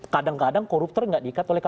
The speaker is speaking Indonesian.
kadang kadang korupter tidak diikat oleh kpk